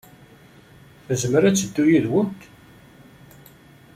Tezmer ad teddu yid-went?